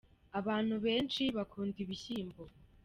abanu benshi bakunda ibishyimbo